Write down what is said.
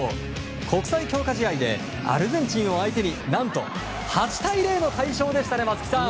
国際強化試合でアルゼンチンを相手に何と、８対０の大勝でしたね松木さん！